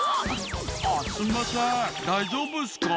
「あっすんません大丈夫っすか？」